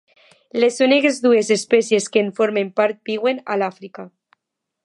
Les úniques dues espècies que en formen part viuen a l'Àfrica.